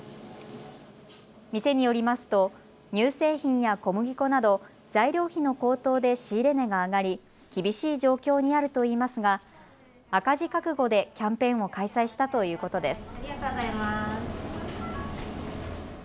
店によりますと乳製品や小麦粉など材料費の高騰で仕入れ値が上がり、厳しい状況にあるといいますが赤字覚悟でキャンペーンを開催したということです。